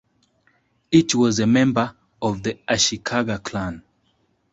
Each was a member of the Ashikaga clan.